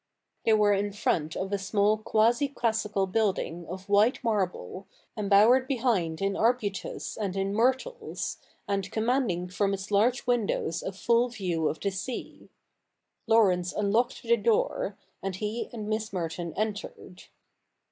They were in front of a small quasi classical building of white marble, embowered behind in arbutus and in myrtles, and commanding from its large windows a full view of the sea. Laurence unlocked the door, and he and Miss Merton entered.